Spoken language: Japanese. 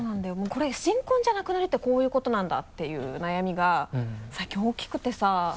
これ新婚じゃなくなるってこういうことなんだっていう悩みが最近大きくてさ。